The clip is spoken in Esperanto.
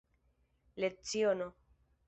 leciono